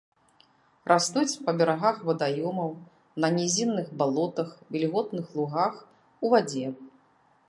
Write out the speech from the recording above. Растуць па берагах вадаёмаў, на нізінных балотах, вільготных лугах, у вадзе.